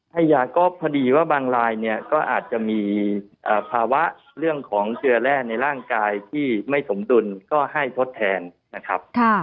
ให้ยาก็พอดีว่าบางรายเนี่ยก็อาจจะมีภาวะเรื่องของเสือแร่ในร่างกายที่ไม่สมดุลก็ให้ทดแทนนะครับ